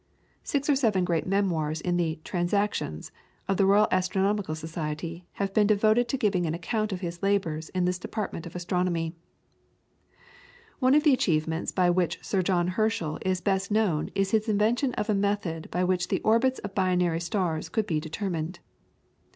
Six or seven great memoirs in the TRANSACTIONS of the Royal Astronomical Society have been devoted to giving an account of his labours in this department of astronomy. [PLATE: THE CLUSTER IN THE CENTAUR, drawn by Sir John Herschel.] One of the achievements by which Sir John Herschel is best known is his invention of a method by which the orbits of binary stars could be determined.